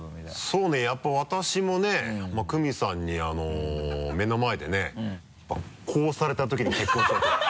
そうねやっぱ私もねクミさんに目の前でねやっぱこうされた時に結婚しようと。